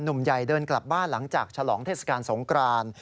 หนุ่มใหญ่เดินกลับบ้านหลังจากฉลองเทศกาลสงคราน